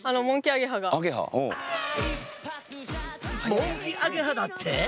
モンキアゲハだって！？